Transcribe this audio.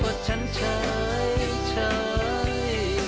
ว่าฉันเชยเชย